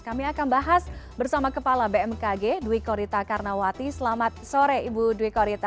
kami akan bahas bersama kepala bmkg dwi korita karnawati selamat sore ibu dwi korita